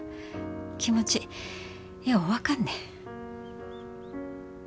気持ちよう分かんね。